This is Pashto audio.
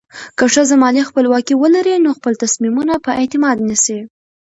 که ښځه مالي خپلواکي ولري، نو خپل تصمیمونه په اعتماد نیسي.